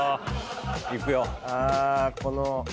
いくよ。